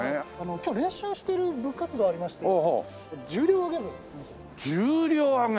今日練習している部活動ありまして重量挙げ部。